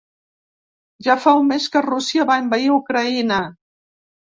Ja fa un mes que Rússia va envair Ucraïna.